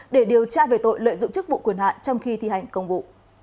để điều tra về tội lợi dụng chức vụ quyền hạn trong khi thi hành công vụ